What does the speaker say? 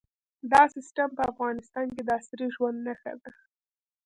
دا سیستم په افغانستان کې د عصري ژوند نښه ده.